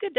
Good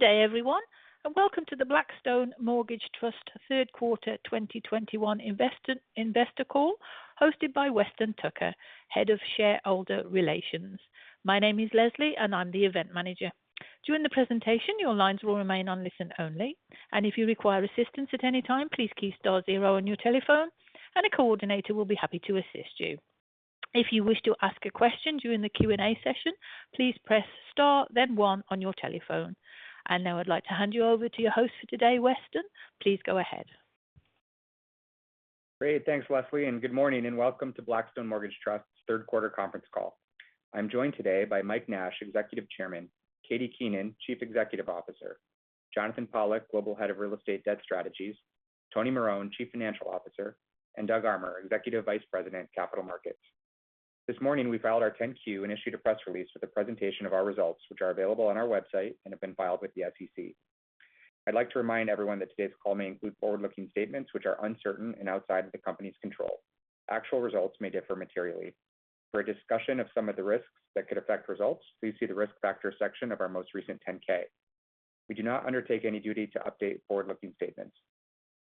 day everyone, and welcome to the Blackstone Mortgage Trust third quarter 2021 investor call, hosted by Weston Tucker, Head of Shareholder Relations. My name is Leslie, and I'm the event manager. During the presentation, your lines will remain on listen only, and if you require assistance at any time, please key star zero on your telephone and a coordinator will be happy to assist you. If you wish to ask a question during the Q&A session, please press star then one on your telephone. Now I'd like to hand you over to your host for today, Weston. Please go ahead. Great. Thanks, Leslie, and good morning and welcome to Blackstone Mortgage Trust's third quarter conference call. I'm joined today by Mike Nash, Executive Chairman, Katie Keenan, Chief Executive Officer, Jonathan Pollack, Global Head of Real Estate Debt Strategies, Tony Marone, Chief Financial Officer, and Doug Armer, Executive Vice President, Capital Markets. This morning, we filed our 10-Q and issued a press release for the presentation of our results, which are available on our website and have been filed with the SEC. I'd like to remind everyone that today's call may include forward-looking statements which are uncertain and outside of the company's control. Actual results may differ materially. For a discussion of some of the risks that could affect results, please see the Risk Factors section of our most recent 10-K. We do not undertake any duty to update forward-looking statements.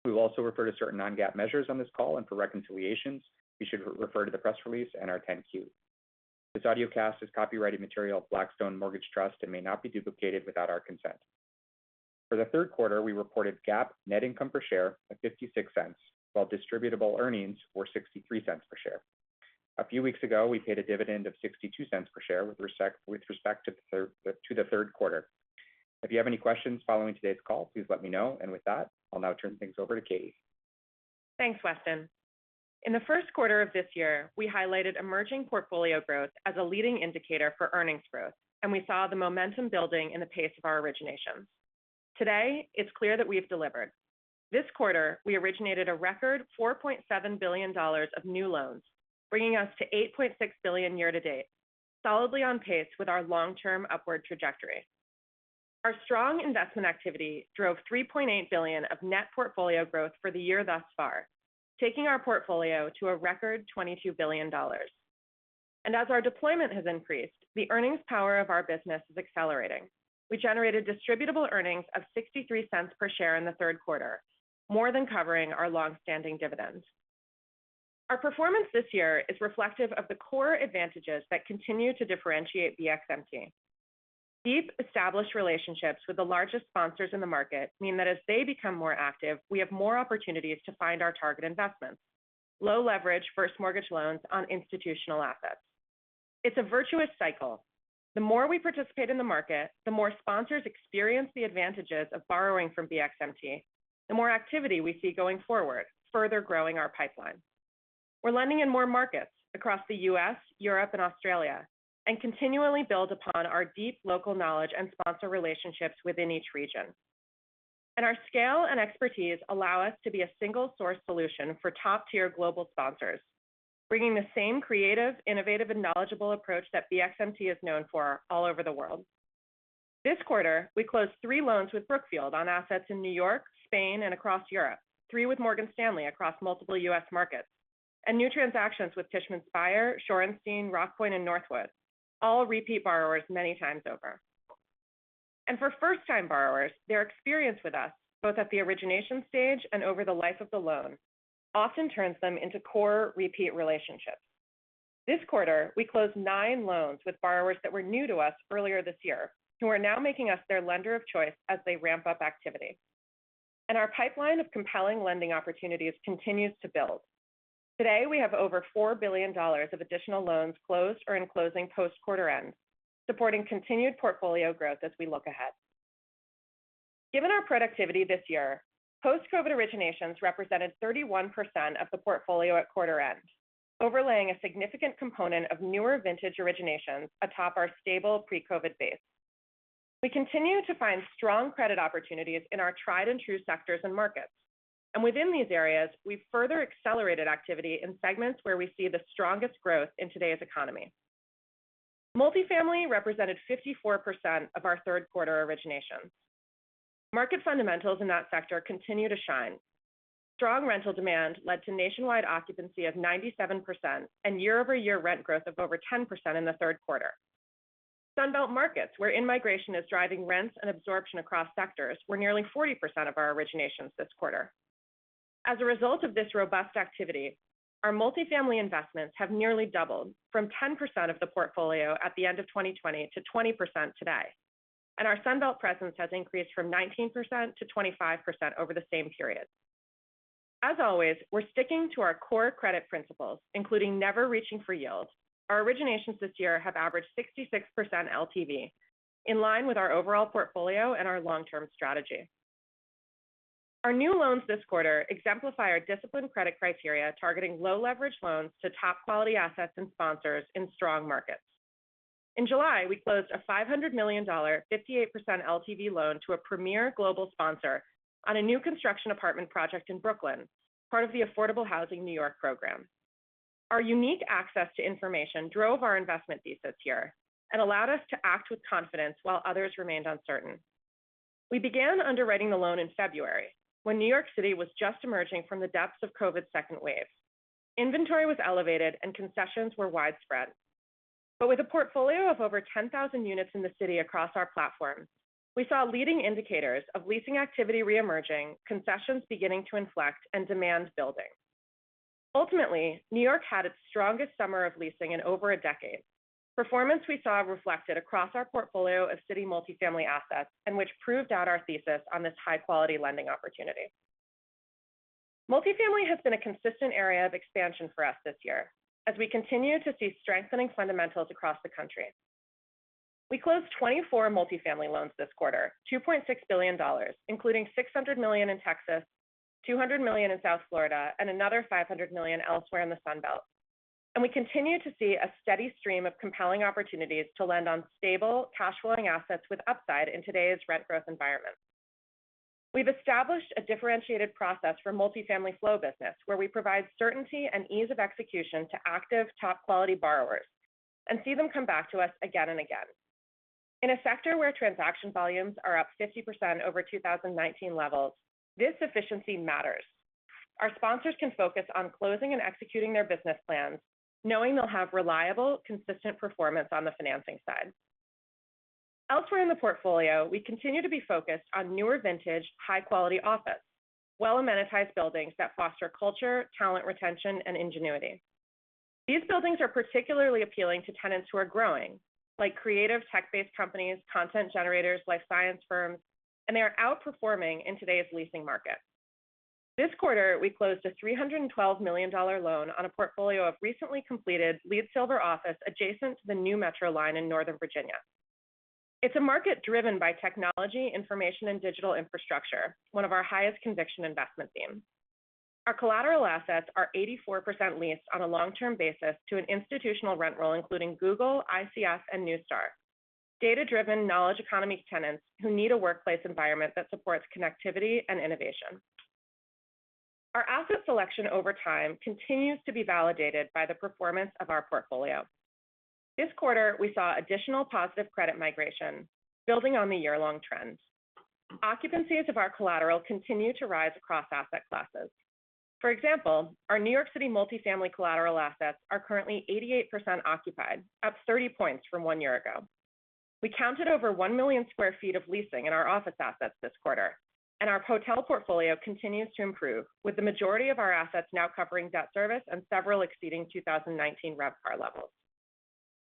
We will also refer to certain non-GAAP measures on this call, and for reconciliations, you should refer to the press release and our 10-Q. This audiocast is copyrighted material of Blackstone Mortgage Trust and may not be duplicated without our consent. For the third quarter, we reported GAAP net income per share of $0.56, while distributable earnings were $0.63 per share. A few weeks ago, we paid a dividend of $0.62 per share with respect to the third quarter. If you have any questions following today's call, please let me know. With that, I'll now turn things over to Katie. Thanks, Weston. In the first quarter of this year, we highlighted emerging portfolio growth as a leading indicator for earnings growth, and we saw the momentum building in the pace of our originations. Today, it's clear that we have delivered. This quarter, we originated a record $4.7 billion of new loans, bringing us to $8.6 billion year-to-date, solidly on pace with our long-term upward trajectory. Our strong investment activity drove $3.8 billion of net portfolio growth for the year thus far, taking our portfolio to a record $22 billion. As our deployment has increased, the earnings power of our business is accelerating. We generated distributable earnings of $0.63 per share in the third quarter, more than covering our long-standing dividends. Our performance this year is reflective of the core advantages that continue to differentiate BXMT. Deep established relationships with the largest sponsors in the market mean that as they become more active, we have more opportunities to find our target investments. Low leverage first mortgage loans on institutional assets. It's a virtuous cycle. The more we participate in the market, the more sponsors experience the advantages of borrowing from BXMT, the more activity we see going forward, further growing our pipeline. We're lending in more markets across the U.S., Europe, and Australia, and continually build upon our deep local knowledge and sponsor relationships within each region. Our scale and expertise allow us to be a single source solution for top-tier global sponsors, bringing the same creative, innovative, and knowledgeable approach that BXMT is known for all over the world. This quarter, we closed three loans with Brookfield on assets in New York, Spain, and across Europe, three with Morgan Stanley across multiple U.S. markets, and new transactions with Tishman Speyer, Shorenstein, Rockpoint, and Northwood, all repeat borrowers many times over. For first-time borrowers, their experience with us, both at the origination stage and over the life of the loan, often turns them into core repeat relationships. This quarter, we closed nine loans with borrowers that were new to us earlier this year who are now making us their lender of choice as they ramp up activity. Our pipeline of compelling lending opportunities continues to build. Today, we have over $4 billion of additional loans closed or in closing post-quarter end, supporting continued portfolio growth as we look ahead. Given our productivity this year, post-COVID originations represented 31% of the portfolio at quarter end, overlaying a significant component of newer vintage originations atop our stable pre-COVID base. We continue to find strong credit opportunities in our tried and true sectors and markets. Within these areas, we've further accelerated activity in segments where we see the strongest growth in today's economy. Multifamily represented 54% of our third quarter originations. Market fundamentals in that sector continue to shine. Strong rental demand led to nationwide occupancy of 97% and year-over-year rent growth of over 10% in the third quarter. Sunbelt markets, where in-migration is driving rents and absorption across sectors, were nearly 40% of our originations this quarter. As a result of this robust activity, our multifamily investments have nearly doubled from 10% of the portfolio at the end of 2020 to 20% today. Our Sunbelt presence has increased from 19%-25% over the same period. As always, we're sticking to our core credit principles, including never reaching for yield. Our originations this year have averaged 66% LTV, in line with our overall portfolio and our long-term strategy. Our new loans this quarter exemplify our disciplined credit criteria, targeting low-leverage loans to top-quality assets and sponsors in strong markets. In July, we closed a $500 million, 58% LTV loan to a premier global sponsor on a new construction apartment project in Brooklyn, part of the Affordable New York Housing Program. Our unique access to information drove our investment thesis here and allowed us to act with confidence while others remained uncertain. We began underwriting the loan in February when New York City was just emerging from the depths of COVID's second wave. Inventory was elevated and concessions were widespread. With a portfolio of over 10,000 units in the city across our platform, we saw leading indicators of leasing activity re-emerging, concessions beginning to inflect and demand building. Ultimately, New York had its strongest summer of leasing in over a decade. Performance we saw reflected across our portfolio of city multifamily assets and which proved out our thesis on this high-quality lending opportunity. Multifamily has been a consistent area of expansion for us this year as we continue to see strengthening fundamentals across the country. We closed 24 multifamily loans this quarter, $2.6 billion, including $600 million in Texas, $200 million in South Florida, and another $500 million elsewhere in the Sun Belt. We continue to see a steady stream of compelling opportunities to lend on stable cash flowing assets with upside in today's rent growth environment. We've established a differentiated process for multifamily flow business where we provide certainty and ease of execution to active top quality borrowers and see them come back to us again and again. In a sector where transaction volumes are up 50% over 2019 levels, this efficiency matters. Our sponsors can focus on closing and executing their business plans, knowing they'll have reliable, consistent performance on the financing side. Elsewhere in the portfolio, we continue to be focused on newer vintage, high-quality office, well-amenitized buildings that foster culture, talent retention, and ingenuity. These buildings are particularly appealing to tenants who are growing, like creative tech-based companies, content generators, life science firms, and they are outperforming in today's leasing market. This quarter, we closed a $312 million loan on a portfolio of recently completed LEED Silver office adjacent to the new metro line in Northern Virginia. It's a market driven by technology, information, and digital infrastructure, one of our highest conviction investment themes. Our collateral assets are 84% leased on a long-term basis to an institutional rent roll, including Google, ICF, and Neustar, data-driven knowledge economy tenants who need a workplace environment that supports connectivity and innovation. Our asset selection over time continues to be validated by the performance of our portfolio. This quarter, we saw additional positive credit migration building on the year-long trends. Occupancies of our collateral continue to rise across asset classes. For example, our New York City multifamily collateral assets are currently 88% occupied, up 30 points from one year ago. We counted over 1 million sq ft of leasing in our office assets this quarter. Our hotel portfolio continues to improve, with the majority of our assets now covering debt service and several exceeding 2019 RevPAR levels.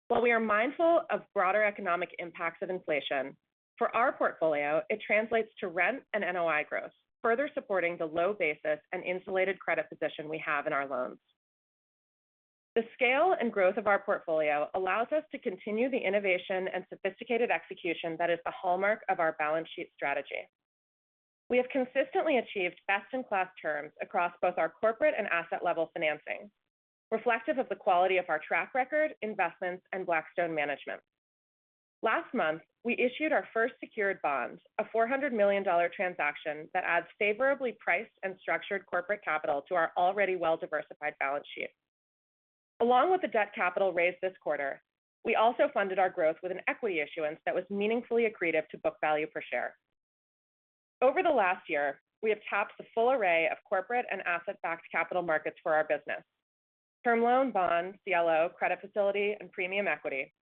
While we are mindful of broader economic impacts of inflation, for our portfolio, it translates to rent and NOI growth, further supporting the low basis and insulated credit position we have in our loans. The scale and growth of our portfolio allows us to continue the innovation and sophisticated execution that is the hallmark of our balance sheet strategy. We have consistently achieved best-in-class terms across both our corporate and asset-level financing, reflective of the quality of our track record, investments, and Blackstone management. Last month, we issued our first secured bonds, a $400 million transaction that adds favorably priced and structured corporate capital to our already well-diversified balance sheet. Along with the debt capital raised this quarter, we also funded our growth with an equity issuance that was meaningfully accretive to book value per share. Over the last year, we have tapped the full array of corporate and asset-backed capital markets for our business. Term loan bonds, CLO, credit facility, and premium equity.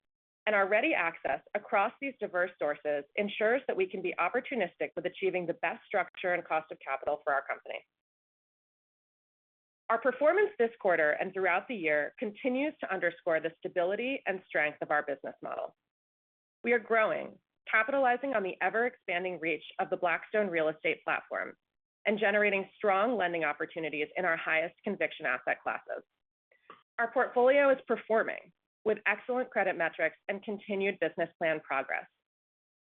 Our ready access across these diverse sources ensures that we can be opportunistic with achieving the best structure and cost of capital for our company. Our performance this quarter and throughout the year continues to underscore the stability and strength of our business model. We are growing, capitalizing on the ever-expanding reach of the Blackstone Real Estate platform and generating strong lending opportunities in our highest conviction asset classes. Our portfolio is performing with excellent credit metrics and continued business plan progress.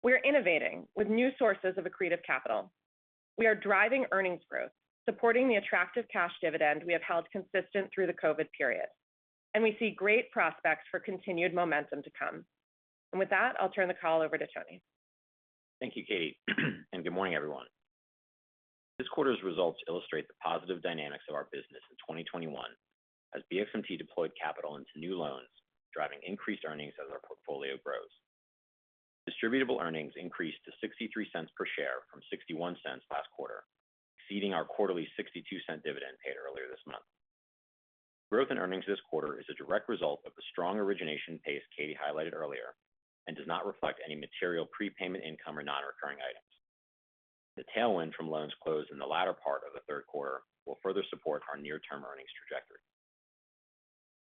We are innovating with new sources of accretive capital. We are driving earnings growth, supporting the attractive cash dividend we have held consistent through the COVID period. We see great prospects for continued momentum to come. With that, I'll turn the call over to Tony. Thank you, Katie. Good morning, everyone. This quarter's results illustrate the positive dynamics of our business in 2021 as BXMT deployed capital into new loans, driving increased earnings as our portfolio grows. Distributable earnings increased to $0.63 per share from $0.61 last quarter, exceeding our quarterly $0.62 dividend paid earlier this month. Growth in earnings this quarter is a direct result of the strong origination pace Katie highlighted earlier and does not reflect any material prepayment income or non-recurring items. The tailwind from loans closed in the latter part of the third quarter will further support our near-term earnings trajectory.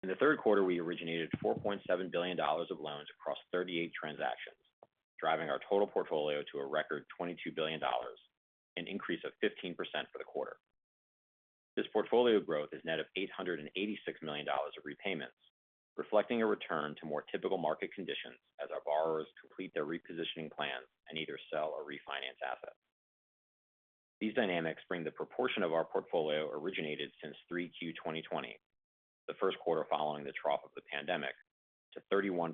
In the third quarter, we originated $4.7 billion of loans across 38 transactions, driving our total portfolio to a record $22 billion, an increase of 15% for the quarter. This portfolio growth is net of $886 million of repayments, reflecting a return to more typical market conditions as our borrowers complete their repositioning plans and either sell or refinance assets. These dynamics bring the proportion of our portfolio originated since 3Q 2020, the first quarter following the trough of the pandemic, to 31%,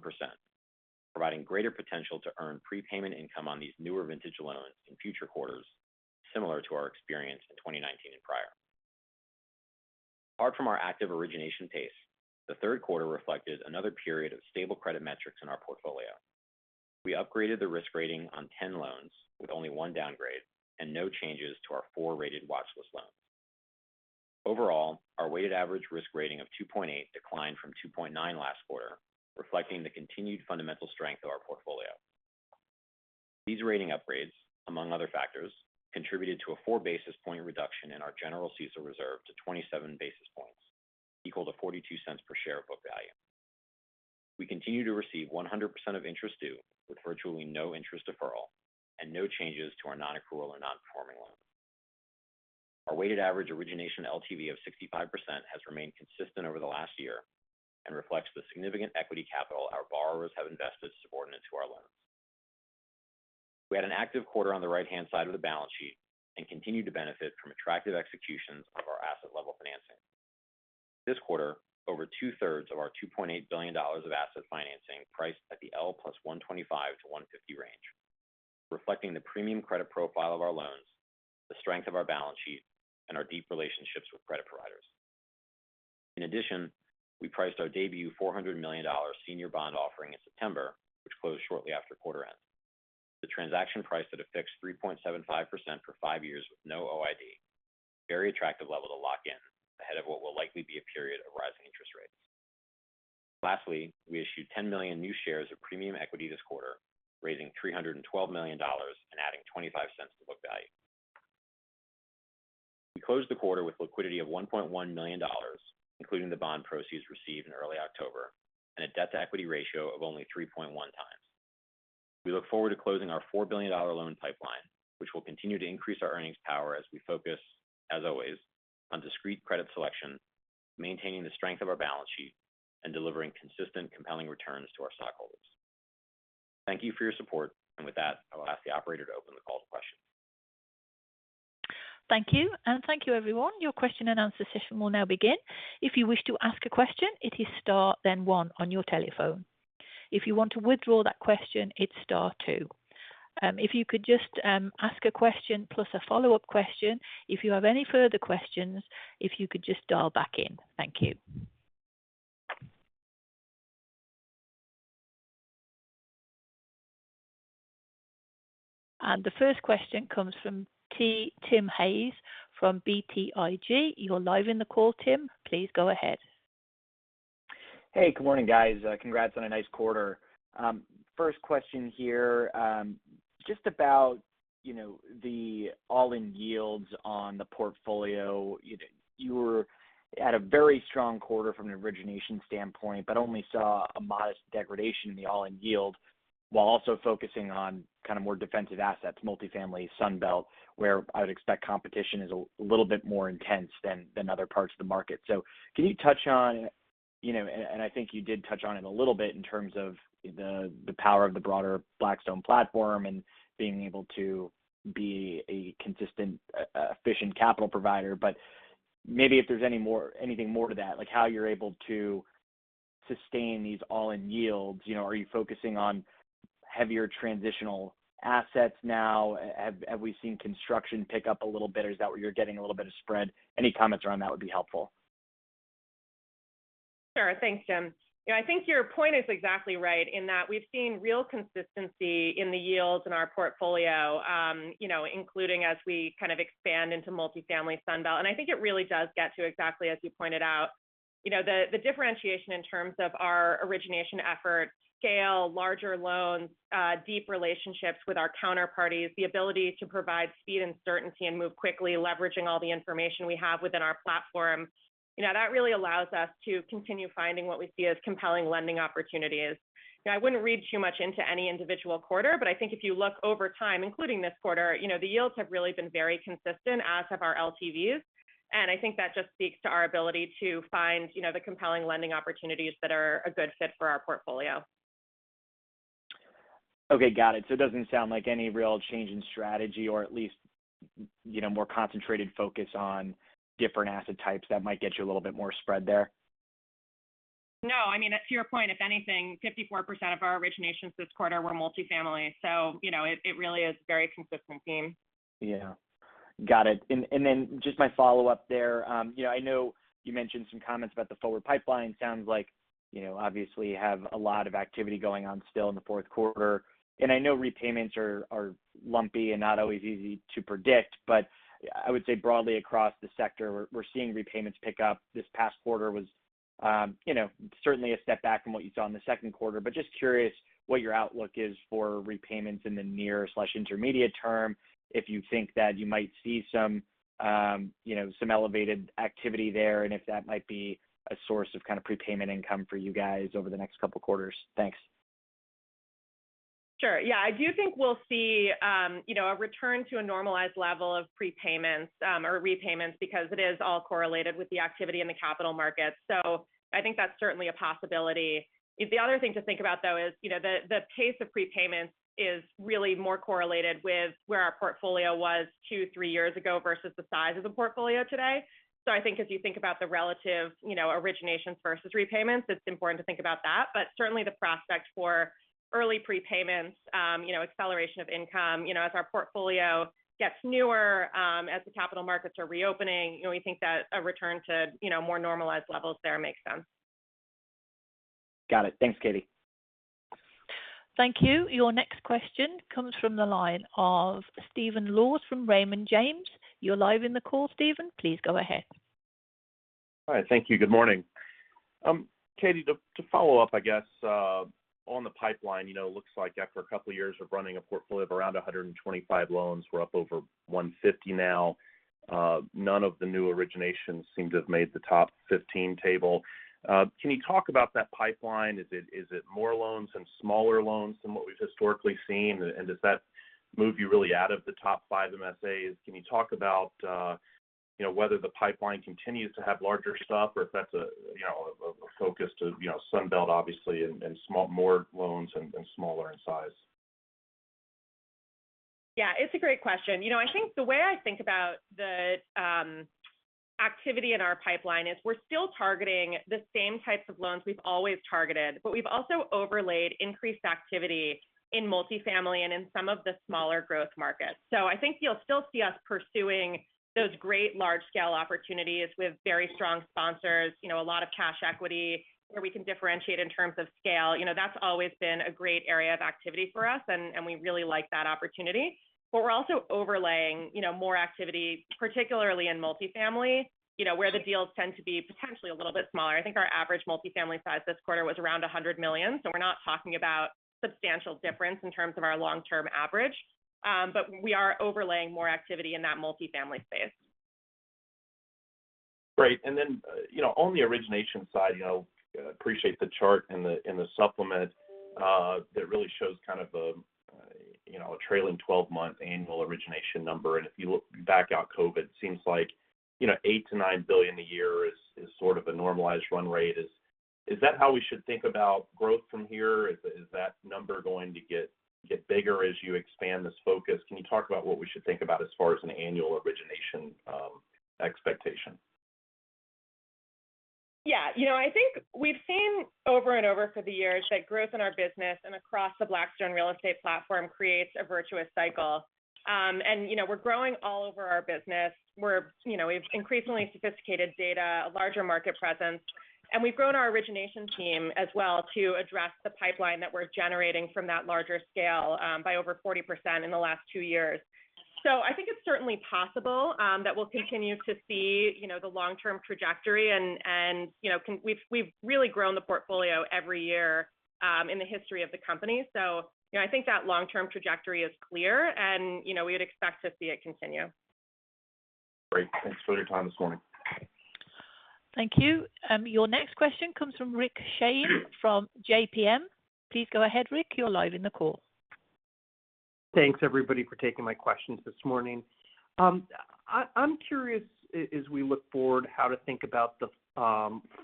providing greater potential to earn prepayment income on these newer vintage loans in future quarters, similar to our experience in 2019 and prior. Apart from our active origination pace, the third quarter reflected another period of stable credit metrics in our portfolio. We upgraded the risk rating on 10 loans with only one downgrade and no changes to our four rated watchlist loans. Overall, our weighted average risk rating of 2.8 declined from 2.9 last quarter, reflecting the continued fundamental strength of our portfolio. These rating upgrades, among other factors, contributed to a 4 basis point reduction in our general CECL reserve to 27 basis points, equal to $0.42 per share of book value. We continue to receive 100% of interest due, with virtually no interest deferral and no changes to our non-accrual or non-performing loans. Our weighted average origination LTV of 65% has remained consistent over the last year and reflects the significant equity capital our borrowers have invested subordinate to our loans. We had an active quarter on the right-hand side of the balance sheet and continued to benefit from attractive executions of our asset level financing. This quarter, over 2/3 of our $2.8 billion of asset financing priced at the L + 125-150 range, reflecting the premium credit profile of our loans, the strength of our balance sheet, and our deep relationships with credit providers. In addition, we priced our debut $400 million senior bond offering in September, which closed shortly after quarter end. The transaction priced at a fixed 3.75% for five years with no OID, very attractive level to lock in ahead of what will likely be a period of rising interest rates. Lastly, we issued 10 million new shares of premium equity this quarter, raising $312 million and adding $0.25 to book value. We closed the quarter with liquidity of $1.1 million, including the bond proceeds received in early October, and a debt-to-equity ratio of only 3.1x. We look forward to closing our $4 billion loan pipeline, which will continue to increase our earnings power as we focus, as always, on discrete credit selection, maintaining the strength of our balance sheet, and delivering consistent, compelling returns to our stockholders. Thank you for your support. With that, I will ask the operator to open the call to questions. Thank you. Thank you everyone. Your question-and-answer session will now begin. If you wish to ask a question, it is star then one on your telephone. If you want to withdraw that question, it's star two. If you could just ask a question plus a follow-up question. If you have any further questions, if you could just dial back in. Thank you. The first question comes from Tim Hayes from BTIG. You're live on the call, Tim. Please go ahead. Hey, good morning, guys. Congrats on a nice quarter. First question here, just about, you know, the all-in yields on the portfolio. You were at a very strong quarter from an origination standpoint but only saw a modest degradation in the all-in yield while also focusing on kinda more defensive assets, multifamily Sunbelt, where I would expect competition is a little bit more intense than other parts of the market. Can you touch on, you know, and I think you did touch on it a little bit in terms of the power of the broader Blackstone platform and being able to be a consistent efficient capital provider. Maybe if there's anything more to that, like how you're able to sustain these all-in yields. You know, are you focusing on heavier transitional assets now? Have we seen construction pick up a little bit? Is that where you're getting a little bit of spread? Any comments around that would be helpful. Sure. Thanks, Tim. You know, I think your point is exactly right in that we've seen real consistency in the yields in our portfolio, you know, including as we kind of expand into multifamily Sunbelt. I think it really does get to exactly as you pointed out, you know, the differentiation in terms of our origination effort, scale, larger loans, deep relationships with our counterparties, the ability to provide speed and certainty and move quickly, leveraging all the information we have within our platform. You know, that really allows us to continue finding what we see as compelling lending opportunities. You know, I wouldn't read too much into any individual quarter, but I think if you look over time, including this quarter, you know, the yields have really been very consistent, as have our LTVs. I think that just speaks to our ability to find, you know, the compelling lending opportunities that are a good fit for our portfolio. Okay. Got it. It doesn't sound like any real change in strategy or at least, you know, more concentrated focus on different asset types that might get you a little bit more spread there. No. I mean, to your point, if anything, 54% of our originations this quarter were multifamily, so you know, it really is a very consistent theme. Yeah. Got it. Just my follow-up there, you know, I know you mentioned some comments about the forward pipeline. Sounds like, you know, obviously you have a lot of activity going on still in the fourth quarter. I know repayments are lumpy and not always easy to predict, but I would say broadly across the sector, we're seeing repayments pick up. This past quarter was, you know, certainly a step back from what you saw in the second quarter. Just curious what your outlook is for repayments in the near/intermediate term, if you think that you might see some, you know, some elevated activity there, and if that might be a source of kind of prepayment income for you guys over the next couple quarters. Thanks. Sure. Yeah. I do think we'll see, you know, a return to a normalized level of prepayments, or repayments because it is all correlated with the activity in the capital markets. I think that's certainly a possibility. The other thing to think about, though, is, you know, the pace of prepayments is really more correlated with where our portfolio was two, three years ago versus the size of the portfolio today. I think if you think about the relative, you know, originations versus repayments, it's important to think about that. Certainly the prospect for early prepayments, you know, acceleration of income, you know, as our portfolio gets newer, as the capital markets are reopening, you know, we think that a return to, you know, more normalized levels there makes sense. Got it. Thanks, Katie. Thank you. Your next question comes from the line of Stephen Laws from Raymond James. You're live in the call, Stephen. Please go ahead. All right. Thank you. Good morning. Katie, to follow up, I guess, on the pipeline, you know, it looks like after a couple of years of running a portfolio of around 125 loans, we're up over 150 now. None of the new originations seem to have made the top 15 table. Can you talk about that pipeline? Is it more loans and smaller loans than what we've historically seen? Does that move you really out of the top five MSAs? Can you talk about, you know, whether the pipeline continues to have larger stuff or if that's a, you know, a focus to, you know, Sunbelt obviously and more loans and smaller in size? Yeah, it's a great question. You know, I think the way I think about the activity in our pipeline is we're still targeting the same types of loans we've always targeted, but we've also overlaid increased activity in multifamily and in some of the smaller growth markets. I think you'll still see us pursuing those great large-scale opportunities with very strong sponsors, you know, a lot of cash equity where we can differentiate in terms of scale. You know, that's always been a great area of activity for us, and we really like that opportunity. We're also overlaying, you know, more activity, particularly in multifamily, you know, where the deals tend to be potentially a little bit smaller. I think our average multifamily size this quarter was around $100 million, so we're not talking about substantial difference in terms of our long-term average. We are overlaying more activity in that multifamily space. Great. Then, you know, on the origination side, you know, I appreciate the chart in the supplement that really shows kind of a, you know, a trailing 12-month annual origination number. If you look back at COVID, seems like, you know, $8 billion-$9 billion a year is sort of a normalized run rate. Is that how we should think about growth from here? Is that number going to get bigger as you expand this focus? Can you talk about what we should think about as far as an annual origination expectation? Yeah. You know, I think we've seen over and over the years that growth in our business and across the Blackstone real estate platform creates a virtuous cycle. You know, we're growing all over our business. You know, we have increasingly sophisticated data, a larger market presence, and we've grown our origination team as well to address the pipeline that we're generating from that larger scale by over 40% in the last two years. So I think it's certainly possible that we'll continue to see you know, the long-term trajectory and you know, we've really grown the portfolio every year in the history of the company. You know, I think that long-term trajectory is clear and you know, we would expect to see it continue. Great. Thanks for your time this morning. Thank you. Your next question comes from Rick Shane from JPM. Please go ahead, Rick. You're live in the call. Thanks everybody for taking my questions this morning. I'm curious as we look forward how to think about the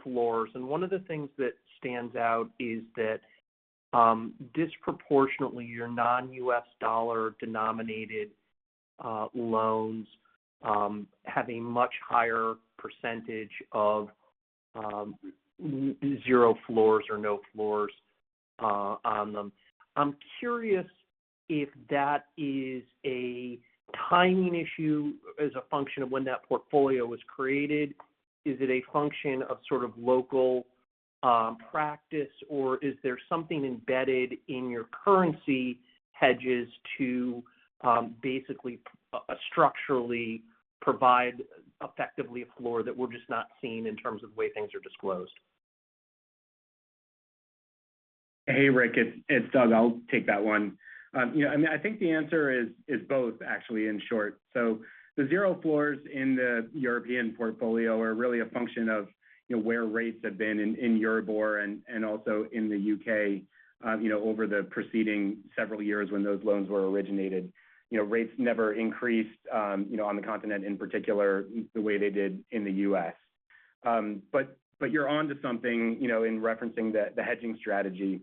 floors. One of the things that stands out is that disproportionately your non-U.S. dollar denominated loans have a much higher percentage of zero floors or no floors on them. I'm curious if that is a timing issue as a function of when that portfolio was created. Is it a function of sort of local practice, or is there something embedded in your currency hedges to basically structurally provide effectively a floor that we're just not seeing in terms of the way things are disclosed? Hey, Rick, it's Doug. I'll take that one. You know, I mean, I think the answer is both actually in short. The zero floors in the European portfolio are really a function of where rates have been in Euribor and also in the U.K. over the preceding several years when those loans were originated. You know, rates never increased on the continent in particular the way they did in the U.S. But you're onto something in referencing the hedging strategy.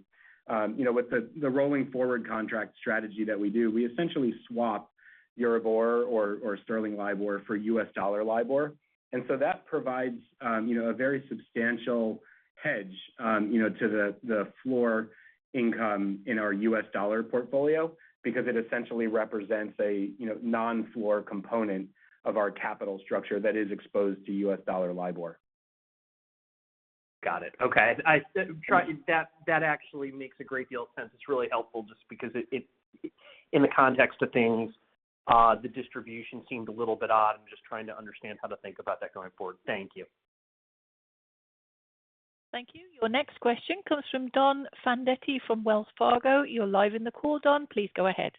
You know, with the rolling forward contract strategy that we do, we essentially swap Euribor or Sterling LIBOR for U.S. dollar LIBOR. That provides, you know, a very substantial hedge, you know, to the floor income in our U.S. dollar portfolio because it essentially represents a, you know, non-floor component of our capital structure that is exposed to U.S. dollar LIBOR. Got it. Okay. That actually makes a great deal of sense. It's really helpful just because it in the context of things, the distribution seemed a little bit odd. I'm just trying to understand how to think about that going forward. Thank you. Thank you. Your next question comes from Don Fandetti from Wells Fargo. You're live in the call, Don. Please go ahead.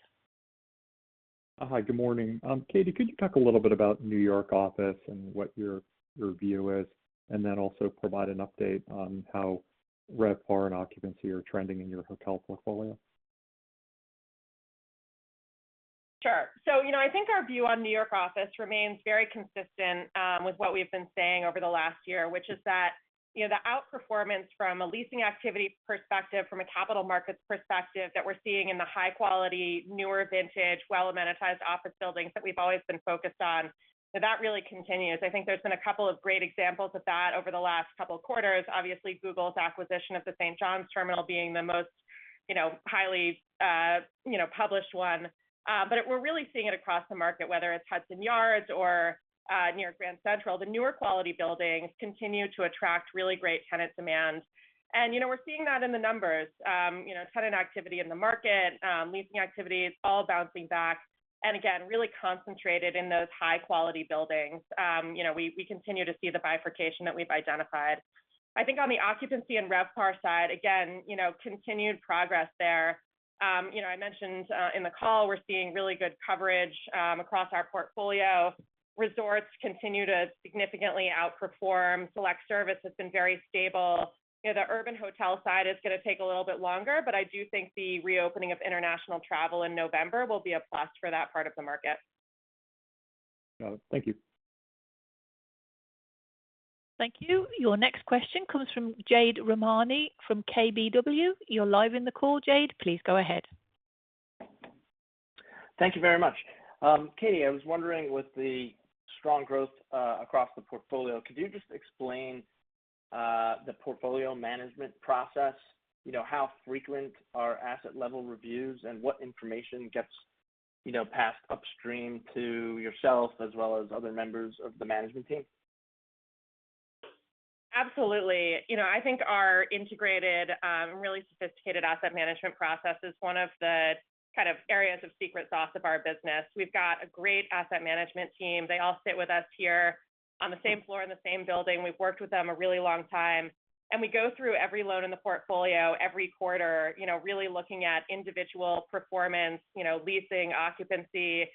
Hi. Good morning. Katie, could you talk a little bit about New York office and what your view is? Also provide an update on how RevPAR and occupancy are trending in your hotel portfolio? Sure. You know, I think our view on New York office remains very consistent with what we've been saying over the last year, which is that, you know, the outperformance from a leasing activity perspective, from a capital markets perspective that we're seeing in the high quality, newer vintage, well amenitized office buildings that we've always been focused on, that really continues. I think there's been a couple of great examples of that over the last couple quarters. Obviously, Google's acquisition of the St. John's Terminal being the most, you know, highly published one. But we're really seeing it across the market, whether it's Hudson Yards or near Grand Central. The newer quality buildings continue to attract really great tenant demand. You know, we're seeing that in the numbers. You know, tenant activity in the market, leasing activities all bouncing back, and again, really concentrated in those high quality buildings. You know, we continue to see the bifurcation that we've identified. I think on the occupancy and RevPAR side, again, you know, continued progress there. You know, I mentioned in the call, we're seeing really good coverage across our portfolio. Resorts continue to significantly outperform. Select service has been very stable. You know, the urban hotel side is gonna take a little bit longer, but I do think the reopening of international travel in November will be a plus for that part of the market. Got it. Thank you. Thank you. Your next question comes from Jade Rahmani from KBW. You're live in the call, Jade. Please go ahead. Thank you very much. Katie, I was wondering with the strong growth across the portfolio, could you just explain the portfolio management process? You know, how frequent are asset level reviews, and what information gets, you know, passed upstream to yourself as well as other members of the management team? Absolutely. You know, I think our integrated, really sophisticated asset management process is one of the kind of areas of secret sauce of our business. We've got a great asset management team. They all sit with us here on the same floor in the same building. We've worked with them a really long time, and we go through every loan in the portfolio every quarter, you know, really looking at individual performance, you know, leasing, occupancy,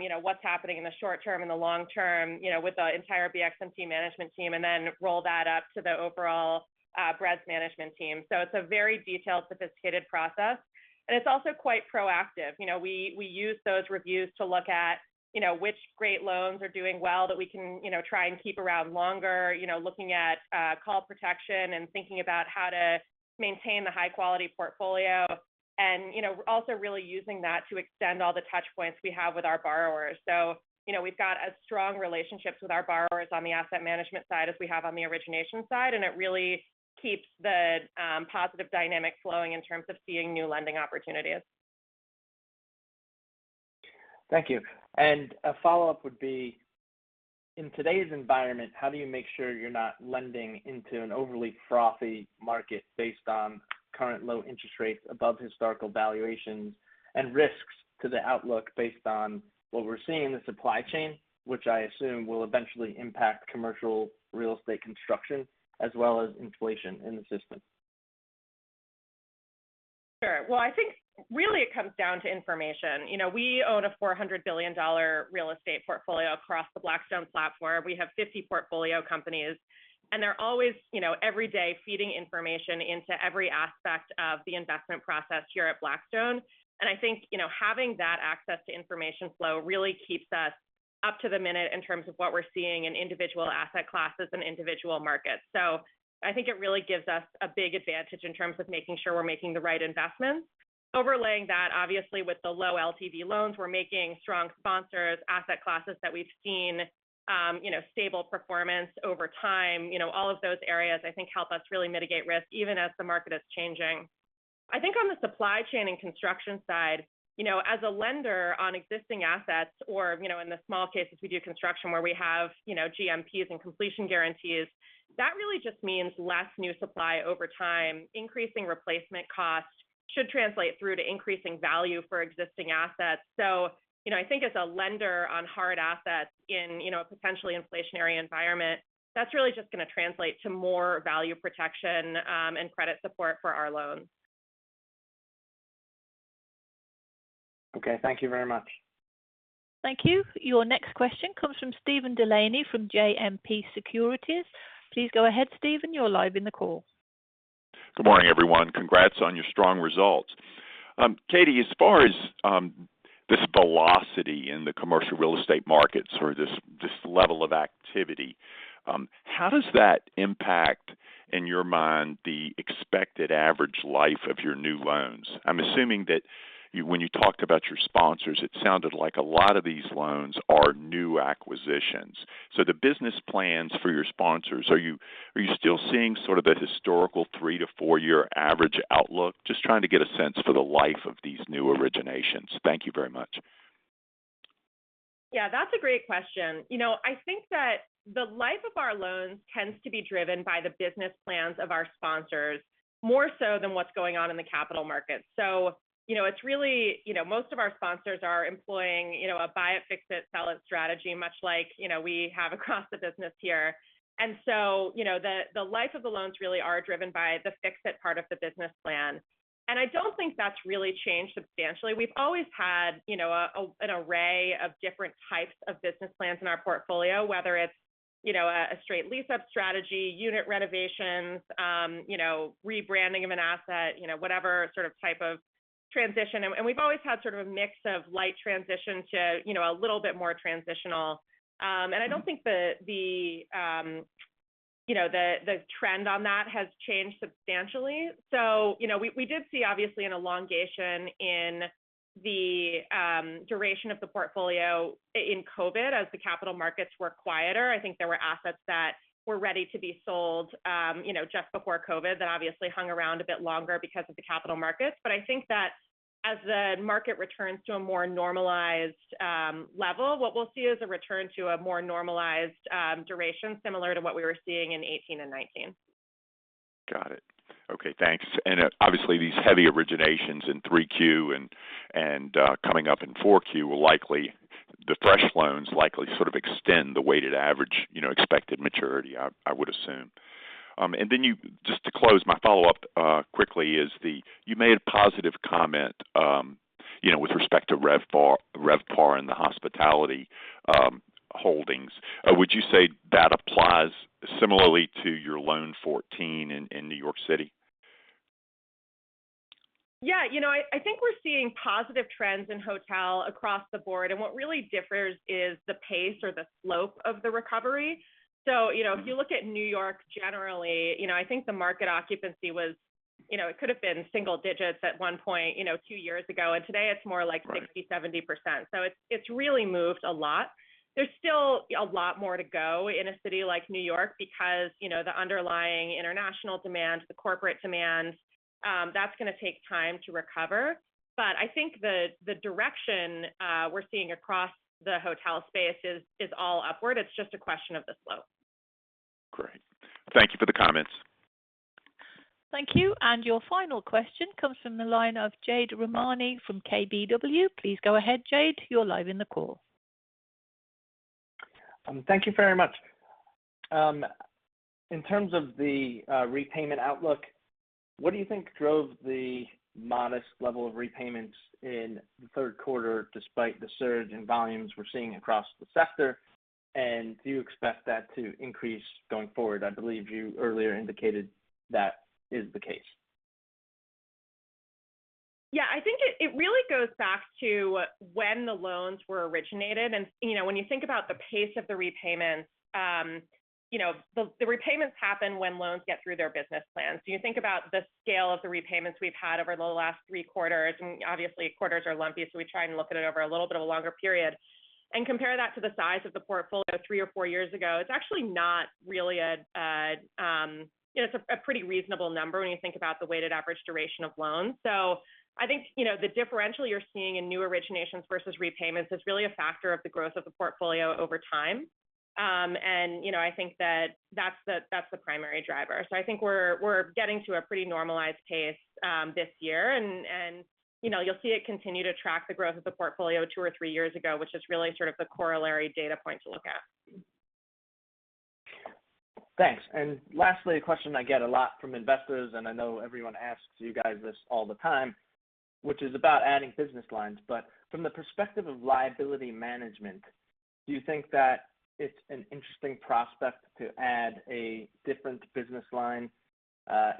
you know, what's happening in the short term and the long term, you know, with the entire BXMT management team, and then roll that up to the overall, BREIT management team. So it's a very detailed, sophisticated process, and it's also quite proactive. You know, we use those reviews to look at, you know, which great loans are doing well that we can, you know, try and keep around longer, you know, looking at call protection and thinking about how to maintain the high quality portfolio. You know, also really using that to extend all the touch points we have with our borrowers. You know, we've got as strong relationships with our borrowers on the asset management side as we have on the origination side, and it really keeps the positive dynamic flowing in terms of seeing new lending opportunities. Thank you. A follow-up would be in today's environment, how do you make sure you're not lending into an overly frothy market based on current low interest rates above historical valuations and risks to the outlook based on what we're seeing in the supply chain, which I assume will eventually impact commercial real estate construction as well as inflation in the system? Sure. Well, I think really it comes down to information. You know, we own a $400 billion real estate portfolio across the Blackstone platform. We have 50 portfolio companies, and they're always, you know, every day, feeding information into every aspect of the investment process here at Blackstone. I think, you know, having that access to information flow really keeps us up to the minute in terms of what we're seeing in individual asset classes and individual markets. I think it really gives us a big advantage in terms of making sure we're making the right investments. Overlaying that, obviously, with the low LTV loans, we're making strong sponsors, asset classes that we've seen, you know, stable performance over time. You know, all of those areas, I think, help us really mitigate risk even as the market is changing. I think on the supply chain and construction side, you know, as a lender on existing assets or, you know, in the small cases we do construction where we have, you know, GMPs and completion guarantees, that really just means less new supply over time. Increasing replacement costs should translate through to increasing value for existing assets. You know, I think as a lender on hard assets in, you know, a potentially inflationary environment, that's really just gonna translate to more value protection, and credit support for our loans. Okay. Thank you very much. Thank you. Your next question comes from Steven DeLaney from JMP Securities. Please go ahead, Steven. You're live in the call. Good morning, everyone. Congrats on your strong results. Katie, as far as this velocity in the commercial real estate markets or this level of activity, how does that impact, in your mind, the expected average life of your new loans? I'm assuming that when you talked about your sponsors, it sounded like a lot of these loans are new acquisitions. The business plans for your sponsors, are you still seeing sort of a historical three to four year average outlook? Just trying to get a sense for the life of these new originations. Thank you very much. Yeah. That's a great question. You know, I think that the life of our loans tends to be driven by the business plans of our sponsors more so than what's going on in the capital markets. You know, it's really you know, most of our sponsors are employing, you know, a buy it, fix it, sell it strategy, much like, you know, we have across the business here. You know, the life of the loans really are driven by the fix it part of the business plan. I don't think that's really changed substantially. We've always had, you know, an array of different types of business plans in our portfolio, whether it's, you know, a straight lease-up strategy, unit renovations, you know, rebranding of an asset, you know, whatever sort of type of transition. We've always had sort of a mix of light transition to, you know, a little bit more transitional. I don't think you know, the trend on that has changed substantially. You know, we did see obviously an elongation in the duration of the portfolio in COVID as the capital markets were quieter. I think there were assets that were ready to be sold, you know, just before COVID that obviously hung around a bit longer because of the capital markets. I think that as the market returns to a more normalized level, what we'll see is a return to a more normalized duration similar to what we were seeing in 2018 and 2019. Got it. Okay, thanks. Obviously these heavy originations in 3Q and coming up in 4Q, the fresh loans likely sort of extend the weighted average, you know, expected maturity, I would assume. Just to close, my follow-up quickly, you made a positive comment, you know, with respect to RevPAR in the hospitality holdings. Would you say that applies similarly to your loan 14 in New York City? Yeah. You know, I think we're seeing positive trends in hotel across the board, and what really differs is the pace or the slope of the recovery. You know, if you look at New York generally, you know, I think the market occupancy was, you know, it could have been single digits at one point, you know, two years ago. Today it's more like 60%-70%. It's really moved a lot. There's still a lot more to go in a city like New York because, you know, the underlying international demand, the corporate demand, that's gonna take time to recover. I think the direction we're seeing across the hotel space is all upward. It's just a question of the slope. Great. Thank you for the comments. Thank you. Your final question comes from the line of Jade Rahmani from KBW. Please go ahead, Jade. You're live in the call. Thank you very much. In terms of the repayment outlook, what do you think drove the modest level of repayments in the third quarter despite the surge in volumes we're seeing across the sector? Do you expect that to increase going forward? I believe you earlier indicated that is the case. Yeah. I think it really goes back to when the loans were originated. You know, when you think about the pace of the repayments, you know, the repayments happen when loans get through their business plans. You think about the scale of the repayments we've had over the last three quarters, and obviously quarters are lumpy, so we try and look at it over a little bit of a longer period, and compare that to the size of the portfolio three or four years ago. It's actually not really a pretty reasonable number when you think about the weighted average duration of loans. I think, you know, the differential you're seeing in new originations versus repayments is really a factor of the growth of the portfolio over time. You know, I think that's the primary driver. You know, I think we're getting to a pretty normalized pace this year and you know, you'll see it continue to track the growth of the portfolio two or three years ago, which is really sort of the corollary data point to look at. Thanks. Lastly, a question I get a lot from investors, and I know everyone asks you guys this all the time, which is about adding business lines. From the perspective of liability management, do you think that it's an interesting prospect to add a different business line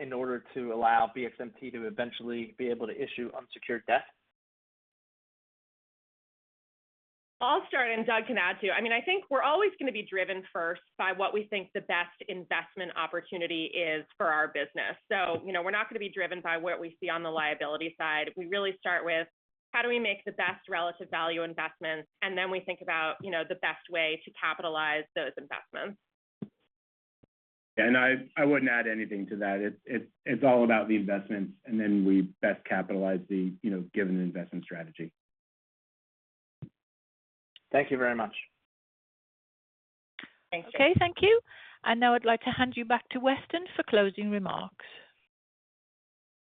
in order to allow BXMT to eventually be able to issue unsecured debt? I'll start, and Doug can add too. I mean, I think we're always gonna be driven first by what we think the best investment opportunity is for our business. You know, we're not gonna be driven by what we see on the liability side. We really start with how do we make the best relative value investments, and then we think about, you know, the best way to capitalize those investments. I wouldn't add anything to that. It's all about the investments, and then we best capitalize the, you know, given investment strategy. Thank you very much. Thanks. Okay. Thank you. Now I'd like to hand you back to Weston for closing remarks.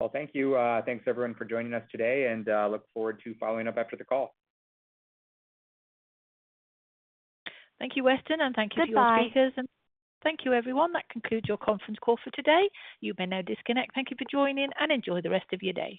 Well, thank you. Thanks everyone for joining us today and look forward to following up after the call. Thank you, Weston, and thank you to our speakers. Goodbye. Thank you, everyone. That concludes your conference call for today. You may now disconnect. Thank you for joining, and enjoy the rest of your day.